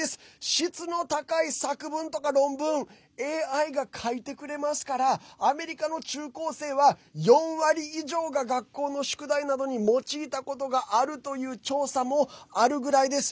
質の高い作文とか論文ＡＩが書いてくれますからアメリカの中高生は４割以上が学校の宿題などに用いたことがあるという調査もあるぐらいです。